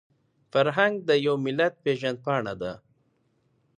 فرهنګ د يو ملت پېژندپاڼه ده.